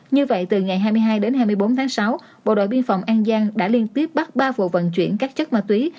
như vậy từ ngày hai mươi hai đến hai mươi bốn tháng sáu bộ đội biên phòng an giang đã liên tiếp bắt ba vụ vận chuyển các chất ma túy